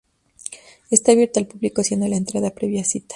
Está abierto al público siendo la entrada previa cita.